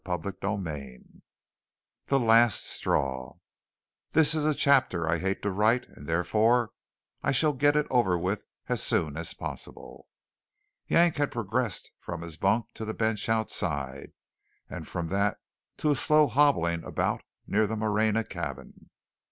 CHAPTER XXXVII THE LAST STRAW This is a chapter I hate to write; and therefore I shall get it over with as soon as possible. Yank had progressed from his bunk to the bench outside, and from that to a slow hobbling about near the Moreña cabin.